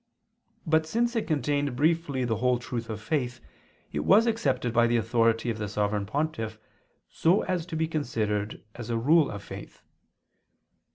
But since it contained briefly the whole truth of faith, it was accepted by the authority of the Sovereign Pontiff, so as to be considered as a rule of faith.